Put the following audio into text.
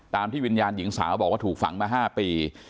ที่วิญญาณหญิงสาวบอกว่าถูกฝังมา๕ปี